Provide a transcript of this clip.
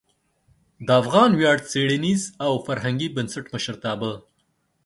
د افغان ویاړ څیړنیز او فرهنګي بنسټ مشرتابه